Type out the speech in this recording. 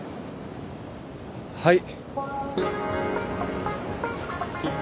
はい！